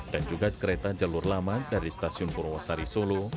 dan juga kereta jalur lama dari stasiun purwosari solo